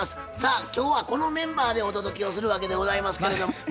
さあ今日はこのメンバーでお届けをするわけでございますけれども。